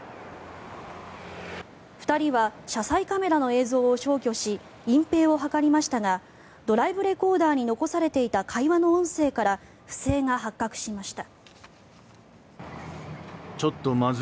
２人は車載カメラの映像を消去し隠ぺいを図りましたがドライブレコーダーに残されていた会話の音声から不正が発覚しました。